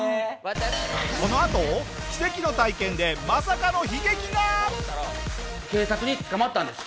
このあと奇跡の体験でまさかの悲劇が！ええーっ！？